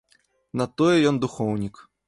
На тое ён духоўнік.